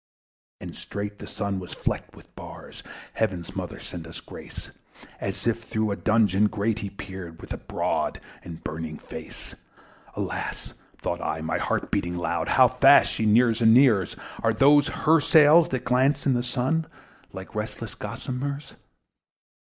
And straight the Sun was flecked with bars, (Heaven's Mother send us grace!) As if through a dungeon grate he peered, With broad and burning face. Alas! (thought I, and my heart beat loud) How fast she nears and nears! Are those her sails that glance in the Sun, Like restless gossameres!